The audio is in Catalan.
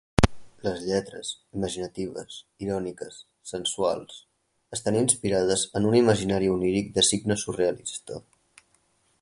Les lletres, imaginatives, iròniques, sensuals, estan inspirades en un imaginari oníric de signe surrealista.